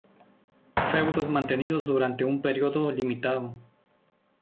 Feudos mantenidos durante un período limitado.